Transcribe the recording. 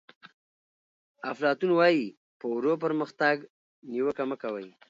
افلاطون وایي په ورو پرمختګ نیوکه مه کوئ.